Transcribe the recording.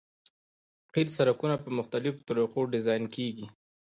قیر سرکونه په مختلفو طریقو ډیزاین کیږي